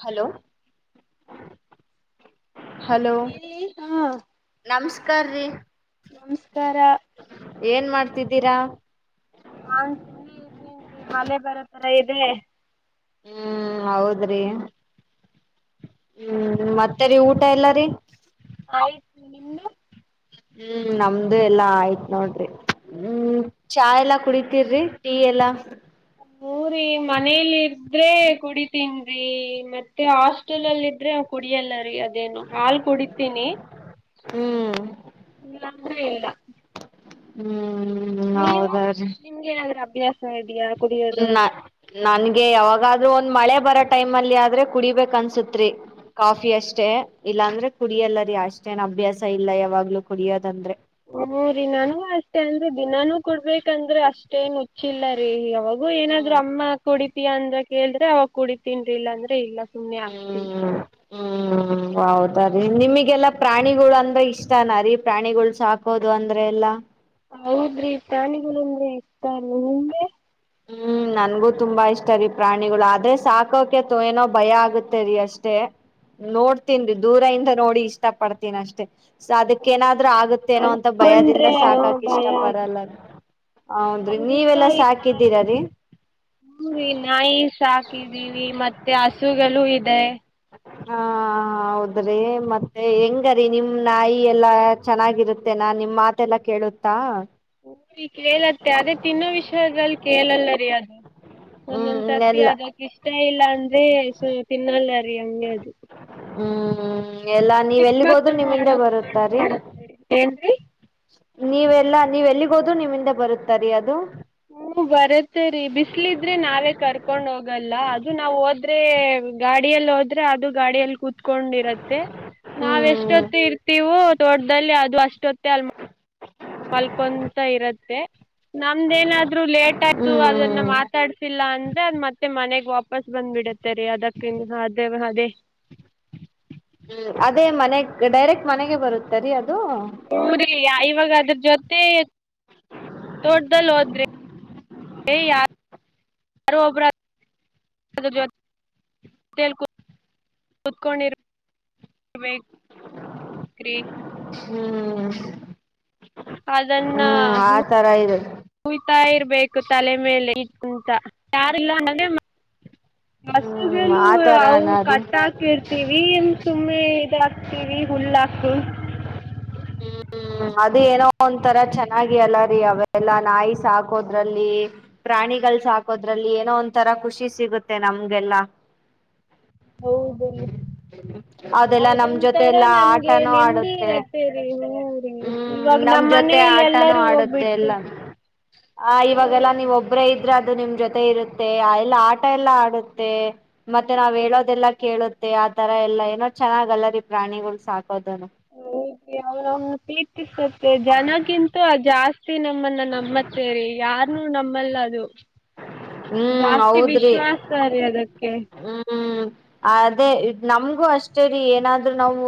Hello [unintelligible] ಹ hello ಹೇಳಿ ಹಾ ನಮಸ್ಕಾರ್ರೀ ನಮಸ್ಕಾರ ಏನ್ ಮಾಡ್ತ [unintelligible] ತಿದ್ದೀರಾ [unintelligible] ನಾನ್ ಸುಮ್ಮನೆ ಇದೇನಿ ಮಳೆ ಬರೋ ತರ ಇದೆ [unintelligible] ಹ್ಮ್ ಹೌದ್ರಿ ಹ್ಮ್ ಮತ್ತರಿ ಊಟ ಎಲ್ಲಾರೀ [unintelligible] ಆಯ್ತು ನಿಮದು [unintelligible] ಹ್ಮ್ ನಮ್ದು ಎಲ್ಲಾ ಆಯ್ತ್ ನೋಡ್ರಿ ಹ್ಮ್ ಚಾ ಎಲ್ಲಾ ಕುಡಿತೀ್ರಿ ಟೀ ಎಲ್ಲಾ ಹಊರಿ ಮನೇಲಿ ಇದ್ರೆ ಕುಡಿ ತಿನ್್ರಿ ಮತ್ತೆ ಹಾಸ್ಟೆಲ್ಲ್ ಇದ್ರೆ ಕುಡಿಯಲ್ಲ ರಿ ಅದೇನು ಹಾಲ್ ಕುಡಿತೀನಿ ಹ್ಮ್ ಇಲ್ಲಂದ್ರೆ ಇಲ್ಲ ಹ್ಮ್ ಹ್ಮ್ ಹೌದ್ರೀ ಸಡಿಯಾ ಕುಡಿಯೋದ ನ ನನ್ಗೆ ಯಾವಾಗಾದ್ರೂ ಒಂದ್ ಮಳೆ ಬರೋ ಟೈಮ್ ಅಲ್ಲಿ ಆದ್ರೆ ಕುಡಿಬೇಕ ಅನ್ಸತ್ರಿ ಕಾಫಿ ಅಷ್ಟೇ ಇಲ್ಲಾಂದ್ರೆ ಕುಡಿಯಲ್ಲ ರರಿ ಅಷ್ಟೇನ್ ಅಭ್ಯಾಸ ಇಲ್ಲ ಯಾವಾಗ್ಲುೂ ಕುಡಿಯೋದಂದ್ರೆ ಹ್ಮರಿ ನಾನೂ ಅಷ್ಟೆ ಅಂದ್ರೆ ದಿನಾನೂ ಕೊಡ್ಬೇಕಂದ್ರೆ ಅಷ್ಟೇನ್ ಮುಚ್ಚಿಲ್ಲ ರೀ ಯಾವಾಗ ು ಏನಾದ್ರು ಹ್ಮ್ ಅಮ್ಮ ಕುಡ ಅಂದ್ರ ಕೇಳಿದ್ರೆ ಅವಾಗ ಕುಡಡಿ ತಿನ್ಿ ಇಲ್ಲ ಅಂದ್ರೆ ಇಲ್ಲ ಸುಮ್ನೆ ಆಗ್ತೀನಿ ಹ್ಮ್ ಹ್ಮ್ ಹೌದು ಸರಿ ನಿಮಗೆಲ್ಲಾ ಪ್ರಾಣಿಗಳು ಅಂದ್ರೆ ಇಷ್ಟಾನ ರೀ ಪ್ರಾಣಿಗಳು ಸಾಕೋದು ಅಂದ್ರೆ ಎಲ್ಲಾ ಹೌದ್ರಿ ಪ್ರಾಣಿಗಳುನ್ನೆ ಇತ ನಿಮ್ಮೆ ಹ್ಮ್ ನನ್ಗೂ ತುಂಬಾ ಇಷ್ಟ ರೀ ಪ್ರಾಣಿಗಳು ಆದ್ರೆ ಸಾಕೋಕೆ ಏನೋ ಭಯ ಆಗತ್ತೇರಿ ಅಷ್ಟೇ ನೋಡ್ತನ್ರಿ ದೂರ ಇಿಂದ ನೋಡಿ ಇಷ್ಟ ಪಡ್ತೀನ ಅಷ್ಟೇ ಸ ಅದಕ್ಕೇನಾದ್ರು ಆಗುತ್ತೇನೋ ಅಂತ ಭಯದಿಂದ ಅನ್ಕೊಂಡ್ರೆ ಸಾಕಕ್ ಇಷ್ಟ ಭಯ ಆಗತ್ತೆ ಪಡಲ್ಲ ಹೌದ್ರಿ ನೀವೆಲ್ಲಾ ಸಾಕ ಹರಿ ನಾಯಿ ಸಾಕಿದೀವಿ ಮತ್ತೆ ಹಸುಗಳು ಇದೆ ಹಾ ಹೌದ್ರಿ ಮತ್ತೆ ಹೆಂಗರಿೀ ನಿಮ್ ನಾಯಿ ಎಲ್ಲಾ ಚೆನ್ನಾಗಿರುತ್ತೇನಾ ನಿಮ್ ಮಾತೆಲ್ಲ ಕೇಳುತ್ತಾ ಹ ಈ ಕೇಳತ್ತೆ ಅದೇ ತಿನ್ನೋ ವಿಷಯಗಳಲ್ಲಿ ಕೇಳಲ್ಲರಿ ಅದು ಒಂದೊಂದ್ ಹ್ಮ್ ಸರ್ತಿ ಎಲ್ಲ ಅದಕ್ ಇಷ್ಟ ಇಲ್ಲ ಅಂದ್ರೆ ತಿನ್ನಲ್ಲ ಂಗ ಅದು ಹ್ಮ್ ಹ್ಮ ಚಿಕ್ಕ ಮಕ್ಳ ನೋಡಡ ಏನ್ರಿ ನೀವೆಲ್ಲಾ ನೀವೆ ಎಲ್ಲಿಗೋದ್ ನಿಮ್ಮಿಂದ ಬರುತ್ತಾರೀ ಅದು ಹ್ಮ ಬರತ್ತರಿ ಬಿಸ್ಲಿದ್ರೆ ನಾವೇ ಕರ್ಕೊಂಡ್ ಹೋಗಲ್ಲ ಅದು ನಾವ್ ಹೋದ್ರೆ ಗಾಡಿಯಲ್ಲಿ ಹೋದ್ರೆ ಅದು ಗಾಡಿಯಲ್ಲಿ ಕೂತ್ ಕತ್ಕೊಂಡಿರತ್ತೆ ನಾವ್ ಹ್ಮ್ ಎಷ್ಟೊತ್ತು ಇರ್ತೀವೋ ತೋಟದಲ್ಲಿ ಅದು ಅಷ್ಟೊತ್ತೆ ಅಲ್ ನಮ್ದೇನಾದ್ರು ಲೇಟ್ ಹ್ಮ್ ಆಯ್ತು ಅದನ್ನ ಹ್ಮ್ ಮಾತಾಡ್ಸಿಲ್ಲ ಅಂದ್ರೆ ಅದು ಮತ್ತೆ ಮನೆಗ್ ವಾಪ ವಾಪಸ್ ಬಂದ್ಬ ಬಿಡತ್ತೆ ರೀ ಅದಕ್ಕ ಇನ್ನು ಅದೇ ಅದೇ ಅದೇ ಮನೆ ಡೈರೆಕ್ಟ್ ಮನೆಗೆ ಬರುತ್ತರಿೀ ಅದ ಹ್ಞೂ ಇವಾಗ ಅದ್ರ ಜೊತೆ ತೋಡ್ದ ಲೋದ್ರೆ ಏ ಯಾರು ಯಾರ ಒಬರ ಅದ ಜೊತೆ ಕುತ್ಕೊಂಡಿರ್ೀ ಹ್ಮ್ ಅದನ್ನ ಹ್ಮ್ ಆತರ ಇದೆ ನುಯ್ತಾ ಇರ್ಬೇಕು ತಲೆ ಮೇಲೆ ಇಂತ ಯಾರಿಲ್ಲ ಹ್ಮ್ ಹಸುಗಗಳು ಅ ಆತರನ ರೀ ಕಟ್ ಹಾಕ ಇರ್ತೀವಿ ನ್ ಸುಮ್ಮನೆ ಇದಾಕ್ತಿವಿ ಹುಲ್ಲಾ ಹ ಹ್ಮ್ ಅದು ಏನೋ ಒಂತರ ಚೆನ್ನಾಗಿ ಅಲ್ಲರಿ ಅವೆಲ್ಲ ನಾಯಿ ಸಾಕೋದ್ರಲ್ಲಿ ಪ್ರಾಣಿಗಳಲ್ ಸಾಕೋದ್ರಲ್ಲಿ ಏನೋ ಒಂಂತರ ಖುಷಿ ಸಿಗುತ್ತೆ ನಮ್ಗೆಲ್ಲ ಹೌದು ಅದೆಲ್ಲ ನಮ್ ಜೊತೆ ಎಲ್ಲಾ ಆಟನೂ ಆಡುತ್ತ ತ್ತಿಗೆ ಇವಾಗ ನಮ್ ನಮ್ಮ್ ಜೊತೆ ಮನೇಲಿ ಆಟನೂ ಎಲ್ಲಾರೂ ಆಡುತ್ತೆ ಎಲ್ಲ ಹೋಗ್ಬಿಟ್ರೆ ಆದ್ರೆ ಅದು ನಿಮ್ ಜೊತೆ ಇರುತ್ತೆ ಎಲ್ಲ ಆಟ ಎಲ್ಲ ಆಡುತ್ತೆ ಮತ್ತೆ ನಾವ್ ಹೌದು ಹೇಳೋದೆಲ್ಲಾ ಕೇಳುತ್ತೆ ತರ ಎಲ್ಲ ಏನೋ ಚೆನ್ನಾಗಲ್ಲರಿ ಪ್ರಾಣಿಗಳು ಸಾಕೋದನು ಅವ್ರ ಪ್ರೀರ್ತಿಸುತ್ತೆ ಜನಗಿಂತ ಜಾಸ್ತಿ ನಮ್ಮನ್ನ ನಮ್ಮತ್ತ ಸೇರಿ ಯಾರ ನು ನಮ್ಮಲ್ಲ ಅದು ಹ್ಮ್ ಜಾಸ್ತಿ ಹೌದ್ರಿ ವಿಶ್ವಾಸ ರೀ ಅದಕ್ಕೆ ಹ್ಮ್ ಅದೇ ನಮ್ಗೂ ಅಷ್ಟೇ ರೀ ಏನಾದ್ರು ನಾವು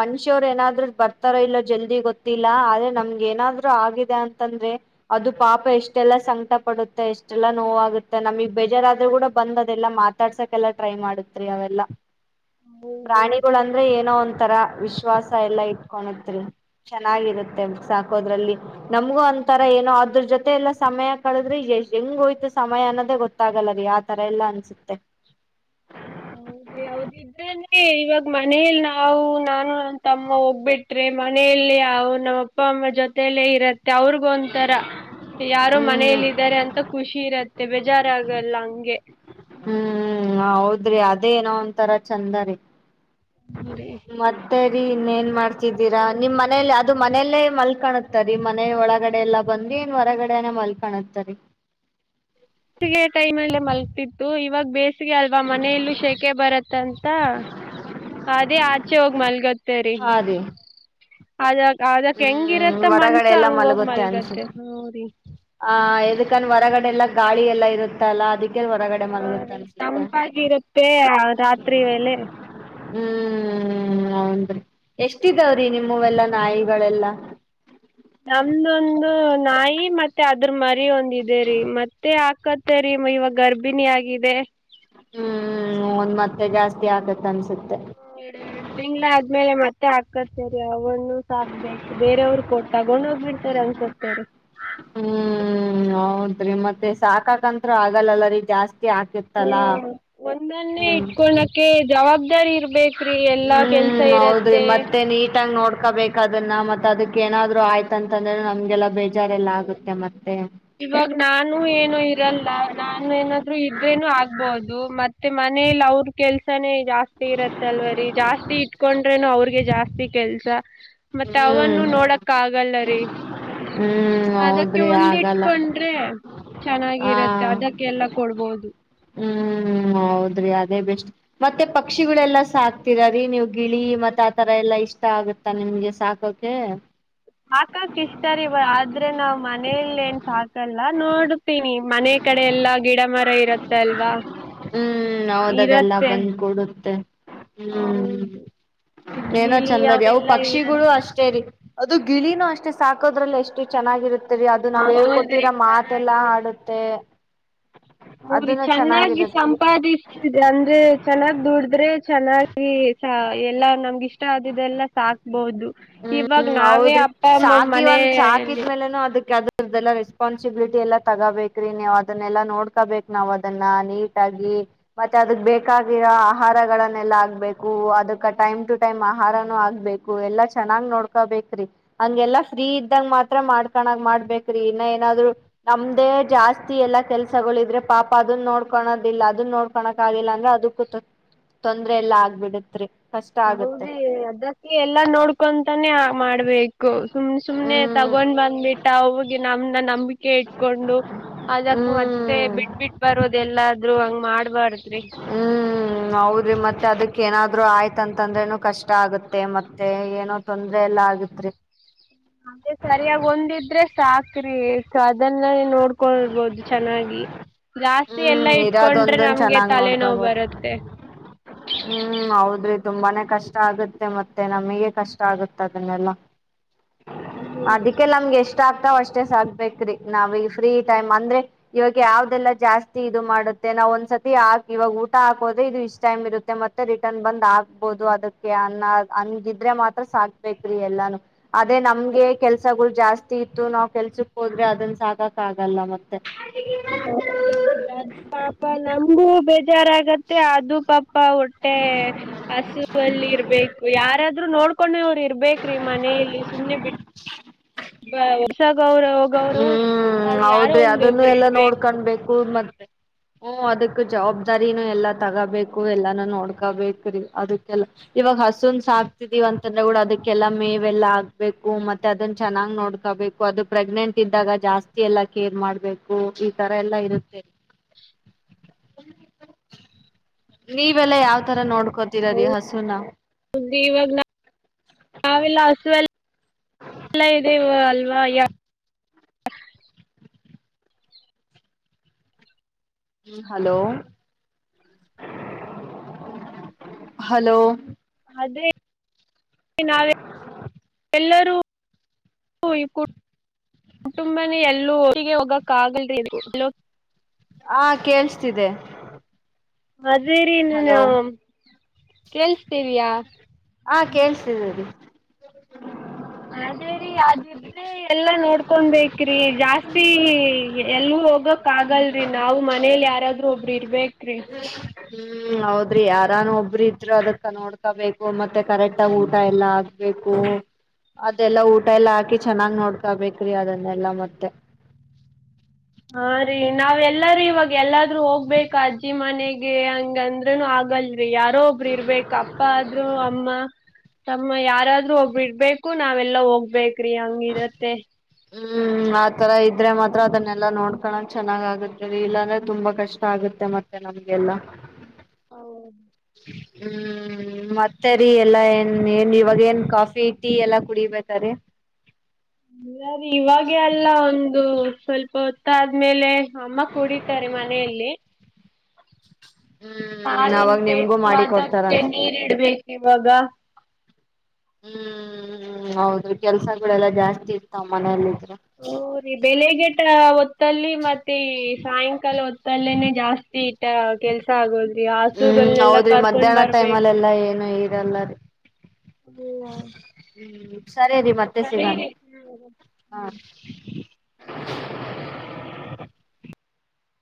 ಮನುಷ್ಯವರು ಏನಾದ್ ಬರ್ತಾರ ಇಲ್ಲೋ ಜಲ್ದಿ ಗೊತ್ತಿಲ್ಲ ಆದ್ರೆ ನಮ್ಗೆ ಏನಾದ್ರು ಆಗಿದೆ ಅಂತಂದ್ರೆ ಅದು ಪಾಪ ಎಷ್ಟೆಲ್ಲಾ ಸಂಕಟ ಪಡುತ್ತೆ ಎಷ್ಟ ಅಷ್ಟೆಲ್ಲಾ ನೋವಾಗುತ್ತೆ ನಮಗ್ ಬೇಜಾರಾದ್ರೂ ಕೂಡ ಬಂದ ಅದೆಲ್ಲಾ ಮಾತಾಡ್ಸಕ್ಕೆೆಲ್ಲಾ ಟ್ರೈ ಮಾಡತ್ ಅವೆಲ್ಲ ಹೌದು ಪ್ರಾಣಿಗಳ ಅಂದ್ರೆ ಏನೋ ಒಂಂತರ ವಿಶ್ವಾಸ ಎಲ್ಲಾ ಇಟ್ಕಳತ್ರಿ ಚೆನ್ನಾಗಿರತ್ತೆ ಸಾಕೋದ್ರಲ್ಲಿ ನಮ್ಗೂ ಒಂತರ ಏನೋ ಅದ್ರ ಜೊತೆ ಎಲ್ಲಾ ಸಮಯ ಕಳದ್ರೆ ಹೆಂಗ ಹೋಯ್ತು ಸಮಯ ಅನ್ನೋದೇ ಗೊತ್ತಾಗಲ್ಲ ರೀ ಆತರ ಎಲ್ಲಾ ಅನ್ಸುತ್ತೆ ಹೌದ ಹದ ಇದ್ರೇನೆ ಇವಾಗ ಮನಲಿ ನಾವು ನಾನು ನನ್ ತಮ್ಮ ಹೋಗ್ಬಿಟ್ರೆ ಮನೆಯಲ್ಲಿ ನಮ್ಮ್ ಅಪ್ಪ ಅಮ್ಮ ಜೊತಲ್ಲೇ ಇರತ್ತೆ ಮ ಅವ್ರಗ ಒಂಂತರ ಯಾರೋ ಹ್ಮ್ ಮನಲ್ಲ ಇದಾರೆ ಅಂತ ಖುಷಿ ಇರತ್ತೆ ಮತ್ತೆ ಬೇಜಾರ ಆಗಲ್ಲ ಹಂಗೆ ಹ್ಮ್ ಹೌದ್ರಿ ಅದೇ ಏನೋ ಒಂತರ ಚಂದರಿ ಮತ್ತೆ ರಿ ಇನ್ನೇಏನ್ ಮಾಡ್ತಿದ್ದೀರಾ ನಿಮ್ ಮನೇಲಿ ಅದು ಮನೆಯಲ್ಲೇ ಮಲ್ಕಾಣತಾರೀ ಮನೆ ಒಳಗಡೆ ಎಲ್ಲಾ ಬಂದಿ ಇನ್ ಹೊರಗಡೆನೆೇ ಮಲ್ಕಾಣತರಿ ಗೆ ಟೈಮ್ ಅಲ್ಲೇ ಮಲ್ತಿತ್ತು ಇವಾಗ ಬೇ ಅಲ್ವಾ ಮನೆಯಲ್ಲೂ ಶೆಕೆ ಬರತ್ತಂತ ಅದೇ ಆಚೆ ಹೋಗಿ ಮಲ್ಗತ್ತೇರಿ ಹಾ ರೀ ಅದ ಹ್ಮ್ ಹೊರಗಡೆ ಎಲ್ಲಾ ಮಲಗುತ್ತೆ ಅನ್ಸ ಮಲ್ಗತ್ತೆ ಹ್ಮ್ ರೀ ಆ ಇದಕನ್ ಹೊರಗಡೆ ಎಲ್ಲ ಗಾಳಿ ಎಲ್ಲ ಇರುತ್ತ ಅಲ್ಲ ಅದಕ್ಕೆ ಹೊರಗಡೆ ಮಲಗುತ್ತ ಹ ಅನ್ಸುತ್ತೆ ತಂಪಾಗಿರುತ್ತೆ ರಾತ್ರಿ ವೇಲೆ ಹ್ಮ್ ಹೌನ್ರಿ ಎಷ್ಟಿದಾವ್ರೀ ನಿಮ್ಮವೆಲ್ಲ ನಾಯಿ ಎಲ್ಲ ನಮ್ದೊಂದು ನಾಯಿ ಮತ್ತೆ ಅದ್ರ ಮರಿ ಒಂದಿದೆರಿ ಮತ್ತೆ ಹಾಕತ್ತೇರಿ ಇವಾಗ ಗರ್ಭಿಣಿ ಆಗಿದೆ ಹ್ಮ್ ಒಂದ್ ಮತ್ತೆ ಜಾಸ್ತಿ ಆಗತ್ ಅನ್ಸುತ್ತೆ ಎ ಎರಡ್ ತಿಂಗ್ಳ ಆದ್ಮೇಲೆ ಮತ್ತೆ ಆ ಕತ್ತರಿ ಅವನು ಸಾಕ್ಬೇಕು ಬೇರೆಯವ್ರ ಕೊಟ್ಟ ತಗೊಂಡೋಗ್ಬಿಡ್ತಾರ ಅನ್ಸತ್ತರಿ ಹ್ಮ್ ಹೌದ್ರೀ ಮತ್ತೆ ಸಾಕಾಕತ್ರು ಆಗಲ್ಲಲ್ಲ ರೀ ಜಾಸ್ತಿ ಹಾಕಿರ್ತಲ್ಲ ಹ ಒಂದನ್ನೇ ಹ್ಮ್ ಇಟ್ಕಲಕ್ಕೆ ಜವಾಬ್ದಾರಿ ಇರ್ಬೇಕು ೀ ಎಲ್ಲಾ ಕೆಲ್ಸ ಇರತ್ತೆ ಟ್ಟಂಗ ನೋಡ್ಕೋಬೇಕ ಅದನ್ನ ಮತ್ತ ಅದಕೆ ಏನಾದ್ರೂ ಆಯ್ತಾನ್ದ್ರೆ ನಾವೇ ನೋಡ್ಕೋಬೇಕು ಇವಾಗ ನಾನು ಏನು ಇರಲ್ಲ ನಾನು ಏನಾದ್ರು ಇದ್ರೇನು ಆಗ್ಬಹದು ಮತ್ತೆ ಮನೇಲಿ ಅವ್ರ ಕೆಲ್ಸಾನೇ ಜಾಸ್ತಿ ಇರತ್ತ ಅಲ್ವರಿ ಜಾಸ್ತಿ ಇಟ್ಕೊಂಡ್ರೇನು ಅವ್ರಗೆ ಜಾಸ್ತಿ ಕೆಲ್ಸ ಮತ್ತೆ ಅವನ್ನು ಹ್ಮ್ ನೋಡಕ್ಕ ಆಗಲ್ಲರಿ ಹ್ಮ್ ಅದಕ್ಕೆ ಹೌದ್ರಿ ಒಂದಿಟ್ಟ ಆಗಲ್ಲ ಕೊಂಡ್ರೆ ಹ ಚೆನ್ನಾಗಿರುತ್ತೆ ಅದಕ್ಕೆಲ್ಲ ಕೊಡ್ಬೋದು ಹ್ಮ್ ಹೌದ್ರಿ ಅದೇ ಬೆಸ್ಟ್ ಮತ್ತೆ ಪಕ್ಷಿಗಳೆಲ್ಲಾ ಸಾಕ್ತೀರ ರೀ ನೀ ಗಿಳಿ ಮತ್ತೆ ಆತರ ಎಲ್ಲಾ ಇಷ್ಟ ಆಗತ್ತ ನಿಮ್ಗೆ ಸಾಕೋಕೆ ಲ್ಲ ಸಾ [unintelligible] ಎಲ್ಲಾ ನೋಡುತ್ತೀನಿ ಮನೆ ಕಡೆ ಎಲ್ಲಾ ಗಿಡ ಮರ ಇರುತ್ತೆ ಅಲ್ವಾ ಹ್ಮ್ ಹೌದದೆಲ್ಲ ಇರತ್ತೆ ಬಂದ್ ಕೂಡುತ್ತೆ ಹ್ಮ್ ಹೌದು ಏನೋ ಗಿಳಿ ಚಂದದ ಅವು ಅವೆಲ್ಲಾ ಇರತ್ತೆ ಪಕ್ಷಿಗಳು ಅಷ್ಟೇರಿ ಅದು ಗಿಳಿನೂ ಅಷ್ಟೇ ಸಾಕೋದ್ರಲ್ಲ ಎಷ್ಟು ಚೆನ್ನಾಗಿರುತ್ತೆ ರಿ ಅದು ನಾವ್ ಹೌದ್ರಿ ಹೇಳ್ಕೊಟ್ಟಿರ ಮಾಥಿಯೆಲ್ಲಾ ಆಡುತ್ತೆ ಹ್ಮ್ ಅದನ್ನ ಚೆನ್ನಾಗಿ ಚೆನ್ನಾಗಿರುತ್ತೆ ಉಪಾದಿ ಇಷ್ಟ ಇದೆ ಅಂದ್ರೆ ಚೆನ್ನಾಗ್ ದುಡಿದ್ರೆ ಚೆನ್ನಾಗಿ ಎಲ್ಲಾ ನಮ್ಗೆ ಇಷ್ಟ ಆದಿದೆ ಎಲ್ಲ ಸಾಕ್ಬಹುದು ಹ್ಮ್ ಹೌದ್ರಿ ಸಾಕಿ ಒಂದ್ ಮನೆಯಲ್ಲಿ ಸಾಕಿದ್್ಮೇಲೆನು ಅದಕ್ ಅದ ಲ್ಲ ರೆಸ್ಪಾನ್ಸಿಬಿಲಿಟಿ ಎಲ್ಲ ತಗೋಬೇಕ್ರೀ ನೀವು ಅದನ್ನೆಲ್ಲಾ ನೋಡ್ಕೋಬೇಕು ನಾವ್ ಅದನ್ನ ನೀಟ್ ಆಗಿ ಮತ್ತೆ ಅದಕ್ ಬೇಕಾಗಿರೋ ಆಹಾರಗಳನ್ನೆಲ್ಲಾ ಆಗ್ಬೇಕು ಅದಕ್ ಟೈಮ್ ಟು ಟೈಮ್ ಆಹಾರನೂ ಆಗ್ಬೇಕು ಎಲ್ಲ ಚೆನ್ನಾಗ್ ನೋಡ್ಕೋಬೇಕ್ರಿ ಹಂಗೆಲ್ಲಾ ಫ್ರೀ ಇದ್ದಂಗ ಮಾತ್ರ ಮಾಡ್ಕಣಕ್ ಮಾಡ್ಬ್ರಿ ಇನ್ನ ಏನಾದ್ರು ನಮ್ದೇ ಜಾಸ್ತಿ ಎಲ್ಲಾ ಕೆಲ್ಸಗಳ ಇದ್ರೆ ಪಾಪ ಅದನ್ ನೋಡ್ಕೊಳದಿಲ್ಲ ಅದನ್ ನೋಡ್ಕೋಳಕ್ ಆಗಿಲ್ಲ ಅಂದ್ರ ಅದಕ್ಕೂ ತೊಂದ್ರ ಎಲ್ಲಾ ಆಗ್ಬಿಡತ್ರಿ ಕಷ್ಟ ಆಗತ್ತೆ ಹೌದಿ ಅದಕ್ಕೆ ಎಲ್ಲಾ ನೋಡ್ ಕೊಂತಾನೇ ಮಾಡ್ಬೇಕು ಸುಮ್ನೆ ಸುಮ್ನೆ ಹ್ಮ್ ತಗೊಂಡ್ ಬಂದ್ಬಿಟ್ಟ ಅವಿಗೆ ನಮ ನಂಬಿಕೆ ಇಟ್ಕೊಂಡು ಅದಕ ಮತ್ತೆ ಹ್ಮ್ ಬಿಟ್ ಬಿಟ್ಟ ಬರೋದೆ ಎಲ್ಲ ಹಂಗ್ ಮಾಡ ಹ್ಮ್ ಹೌದ್ರಿ ಮತ್ತೆ ಅದಕ್ ಏನಾದ್ರು ಆಯ್ತ ಆಂತಂದ್ರೇನು ಕಷ್ಟ ಆಗತ್ತೆ ಮತ್ತೆ ಏನೋ ತೊಂದ್ರ ಎಲ್ಲಾ ಆಗತ್ರಿ ಅದೇ ಸರಿಯಾಗಿ ಒಂದಿದ್ರೆ ಸಾಕ್ರಿ ಸೊ ಅದನ್ನ ನೋಡ್ಕೊಳ್ಬೋದು ಚೆನ್ನಾಗಿ ಜಾಸ್ತಿ ಎಲ್ಲಾ ಹ್ಮ್ ಇಟ್ಕೊಂಡ್ರೆ ಇರೋದೊಂದನ್ ನಮ್ಗೆ ಚೆನ್ನಾಗ್ ತಲೆನೋ ನೋಡ್ಕೋಬೋದು ಬರುತ್ತೆ ಹ್ಮ್ ಹೌದ್ರಿ ತುಂಬಾನೇ ಕಷ್ಟ ಆಗುತ್ತೆ ಮತ್ತೆ ನಮಗೆ ಕಷ್ಟ ಆಗುತ್ತೆ ಅದನ್ನೆಲ್ಲ ಅದಕ್ಕೆಲ್ಲ ನಮ್ಗೆ ಎಷ್ಟು ಇಷ್ಟ ಆಗ್ತಾವ್ ಅಷ್ಟೇ ಸಾಕ್ಬೇಕ್ರೀ ನಾವೀಗ ಫ್ರೀ ಟೈಮ್ ಅಂದ್ರೆ ಇವಾಗ ಯಾವ್ದದೆಲ್ಲಾ ಜಾಸ್ತಿ ಇದು ಮಾಡುತ್ತೆ ನಾವ್ ಒಂದ್ಸತಿಕ್ ಇವಾಗ ಊಟ ಹಾಕೋದ್ರೆ ಇದು ಇಷ್ಟ ಟೈಮ್ ಇರುತ್ತೆ ಮತ್ತೆ ಮತ್ತೆ ರಿಟರ್ನ್ ಬಂದ್ ಆಗ್ಬೋದು ಅದಕ್ಕೆ ಅನ್ನ ಅನ್ಗಿದ್ರೆ ಮಾತ್ರ ಸಾಕ್ಬೇಕ್ರಿ ಎಲ್ಲಾನು ಅದೇ ನಮ್ಗೆ ಕೆಲ್ಸಗಳು ಜಾಸ್ತಿ ಇತ್ತು ನಾವ್ ಕೆಲ್ಸಕ್ ಹೋದ್ರೆ ಅದನ್ ಸಾಕಕ್ ಆಗಲ್ಲ ಮತ್ತೆ ದು ಪಾಪ ನಮಗು ಬೇಡ್ ಜಾರ ಆಗತ್ತೆ ಅದು ಪಾ ಅಪ್ಪ ಹೊಟ್ಟೆ ಹಸುವಲ್ಲಿ ಇರ್ಬೇಕು ಯಾರಾದ್ರೂ ನೋಡ್ ಕೊಡ ಇರ್ಬೇಕ್ರಿ ಮನೇಲಿ ಸುಮ್ನೆ ಬಿಟ್ಟ ಸ ಗೌರವ ಹ್ಮ್ ಹೌದ್ರಿ ಅದನ್ನು ಒಬ್ರು ಎಲ್ಲಾ ಇರ್ಬೇಕು ನೋಡ್ಕೊಂಡ್ಬೇಕು ಮತ್ತೆ ಹ್ಮ ಅದಕ್ ಜವಾಬ್ದಾರಿನೂ ಎಲ್ಲಾ ತಗೋಬೇಕು ಎಲ್ಲಾನೂ ನೋಡ್ಕೊಬೇಕು ರೀ ಅದಕ್ಕೆಲ್ಲಾ ಇವಾಗ ಹಸುನ್ ಸಾಕ್ತಿದೀವಿ ಅಂತಂದ್ರೆ ಕೂಡ ಅದಕ್ಕೆಲ್ಲಾ ಮೇವೆಲ್ಲಾ ಆಗ್ಬೇಕು ಮತ್ತೆ ಅದನ್ನ ಚೆನ್ನಾಗ್ ನೋಡ್ಕೊಬೇಕು ಅದು ಪ್ರೆಗ್ನೆಂಟ್ ಜಾಸ್ತಿ ಎಲ್ಲ ಕೇರ್ ಮಾಡ್ಬೇಕು ಈ ತರ ಎಲ್ಲ ಇರುತ್ತೆ ನೀವೆಲ್ಲ ಯಾವ್ ತರ ನೋಡ್ ಹ ಇವಾಗ ನಾವೆಷ್ಟಲ್ಲ ಎಲ್ಲ ಇದೆ ಅಲ್ವಾ ಯ ಹಲೋ ಹಲೋ ಅದೇ ನಾವ ಎಲ್ಲ ಕುಟುಂಬನ ಎಲ್ಲೋ ಹಗೆ ಹೋಗಕ ಆಗಲ್ರಿ ಹಾ ಕೇಳ್ಸ್ತಿದೆ ಅದೇರಿ ನುನ್ ಹ ಕೇಳ್ಸಿದ್ದೀರಿ ಅದೇ ರೀ ಅದು ಬ್ರೆ ಎಲ್ಲ ನೋಡ್ಕೊಬೇಕ್ರಿ ಜಾಸ್ತಿ ಎಲ್ಲೂ ಹೋಗಕ್ ಆಗಲ್ರರಿ ನಾ್ ಮನೇಲಿ ಯಾರಾದ್ರೂ ಒಬ್ರ ಇರ್ಬೇಕ್ರಿ ಹ್ಮ್ ಹೌದ್ರಿ ಯಾರಾನು ಒಬ್ರ ಇದ್ರರು ಅದಕ್ಕ ನೋಡ್ಕಬೇಕು ಮತ್ತೆ ಕರೆಕ್ಟ್ ಆಗ ಊಟ ಎಲ್ಲಾ ಆಗ್ಬೇಕು ಅದೆದೆಲ್ಲಾ ಊಟ ಎಲ್ಲಾ ಹಾಕಿ ಚೆನ್ನಾಗ್ ನೋಡ್ಕಬೇಕ್ರಿ ಅದನ್ನೆಲ್ಲಾ ಮತ್ತೆ ನಾವ್ ಎಲ್ಲಾರೂ ಇವಾಗ ಎಲ್ಲಾದ್ರೂ ಹೋಗ್ಬೇಕ ಅಜ್ಜಿ ಮನೆಗೆ ಹಂಗಂದ್ರೂನು ಆಗಲ್ ಿ ಯಾರೋ ಒಬ್ರು ಇರ್ಬೇಕ ಅಪ್ಪ ಆದ್ರರು ಅಮ್ಮ ತಮ್ಮ ಯಾರಾದ್ರೂ ಒಬ್ಬರು ಇರಬೇಕು ನಾವೆಲ್ಲ ಹೋಗ್ಬೇಕು ಬಕ್ರಿ ಹಂಗಿರತ್ತೆ ಹ್ಮ್ ಆತರ ಇದ್ರೆ ಮಾತ್ರ ಅದನ್ನೆಲ್ಲಾ ನೋಡ್ಕಳಕ್ ಚೆನ್ನಾಗ ಆಗುದ ರಿ ಇಲ್ಲಾಂದ್ರೆ ತುಂಬಾ ಕಷ್ಟ ಆಗುತ್ತೆ ಮತ್ತೆ ನಮ್ಗೆಲ್ಲಾ ಹೌದು ಹ್ಮ್ ಮತ್ತೆರಿ ಎಲ್ಲಾ ಏನ್ ಏನ್ ಇವಾಗ ಏನ್ ಕಾಫಿ ಟೀ ಎಲ್ಲಾ ಕುಡಿಬೇಕ ರೀ ಇಲ್ಲಾ ರಿ ಇವಾಗೇ ಅಲ್ಲ ಒಂದು ಸ್ವಲ್ಪ ಹೊತ್ತ ಆದ್ಮೇಲೆ ಅಮ್ಮ ಕುಡಿತಾರೆ ಮನೆಯಲ್ಲಿ [inaudible] ಹಾಲ ಅವಾಗ ನಿಮ್ಗೂ ಹಿಂಡಬೇಕು ಮಾಡಿ ಕೊಡ್ತಾರ ಅದಕ್ಕೆ ಅನ್ಸುತ್ತೆ ನೀರ ಇಡ್ಬೇಕು [unintelligible] ಹ್ಮ್ ಹ್ ಹೌದು ಕೆಲ್ಸಗಳೆಲ್ಲಾ ಜಾಸ್ತಿ ಇರ್ತಾವ ಮನಲ್ಲಿದ್ರೆ ಹ್ಮ್ ರಿ ಬೆಳಿಗ್ಗೆ [unintelligible] ಹೊತ್ತಲ್ಲಿ ಮತ್ತೆ ಸಾಯಂಕಾಲ ಹೊತ್ತಲ್ಲೇನೆ ಜಾಸ್ತಿ ಇ ಕೆಲ್ಸ ಆಗೋದ್ರಿ ಹ್ಮ್ ಹಸುಗಳನೆಲ್ಲ ಹೌದ್ರಿ ಕರ್ಕೊಂಡ್ ಮಧ್ಯಾಹ್ನ ಟೈಮ್ ಬರ್ಬೇಕು ಅಲ್ಲೆಲ್ಲಾ ಏನು ಇರಲ್ಲರಿ ಇಲ್ಲ ಹ್ಮ್ ಸರಿ ರೀ ಮತ್ತೆ ಸಿಗಣ ಹ್ಮ್. ಹಾಂ